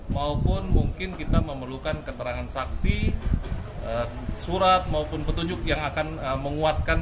maupun mungkin kita memerlukan keterangan saksi surat maupun petunjuk yang akan menguatkan